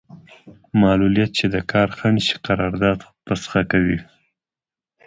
معلولیت چې د کار خنډ شي قرارداد فسخه کوي.